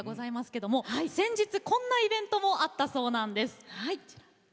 けれども先日こんなイベントがあったそうなんです。